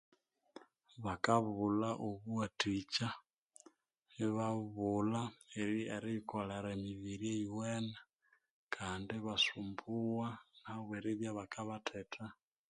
Bakabulha obuwathikya, ibabulha eriyikolera emibiri eyiwene kandi ibasumbuwa ahabweribya bakabathetha.